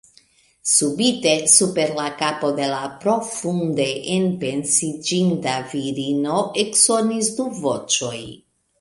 Subite super la kapo de la profunde enpensiĝinta virino eksonis du voĉoj.